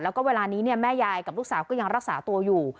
แล้วก็เวลานี้แม่ยายกับลูกสาวก็ยังรักษาตัวอยู่